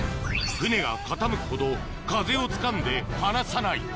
船が傾くほど風をつかんで離さない